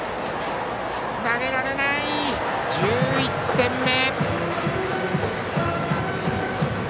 １１点目。